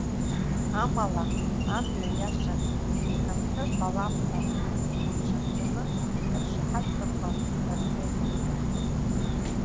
Амала, амҩа иашахь ихынҳәыр ҟалап ҳәа ргәырҽанҵаны аршаҳаҭгақәа рзеиҭаҳҳәахьан.